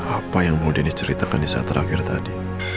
apa yang mau dini ceritakan di saat terakhir tadi